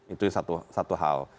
itu satu hal